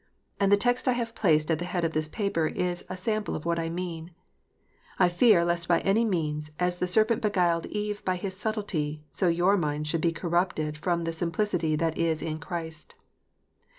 And the text I have placed at the head of this paper is a sample of what I mean :" I fear, lest by any means, as the serpent beguiled Eve by his subtilty, so your minds should be corrupted from the simplicity that is in Christ."